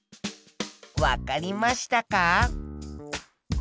わかりましたか？